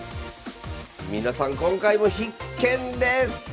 皆さん今回も必見です！